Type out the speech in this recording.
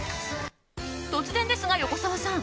突然ですが、横澤さん。